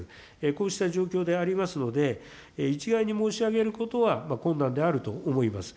こうした状況でありますので、一概に申し上げることは困難であると思います。